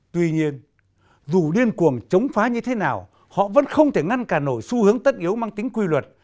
tuy nhiên dù điên cuồng chống phá như thế nào họ vẫn không thể ngăn cả nổi xu hướng tất yếu mang tính quy luật